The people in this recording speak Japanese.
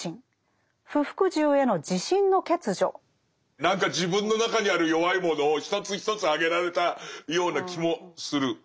何か自分の中にある弱いものを一つ一つ挙げられたような気もする。